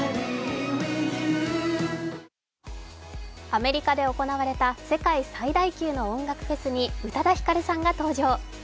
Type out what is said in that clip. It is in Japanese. アメリカで行われた世界最大級の音楽フェスに宇多田ヒカルさんが登場。